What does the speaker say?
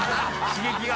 刺激が。